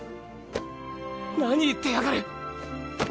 何言ってやがる。